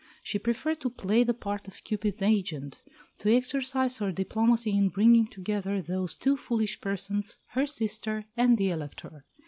She preferred to play the part of Cupid's agent to exercise her diplomacy in bringing together those two foolish persons, her sister and the Elector.